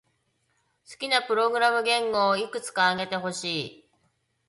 好きなプログラミング言語をいくつか挙げてほしい。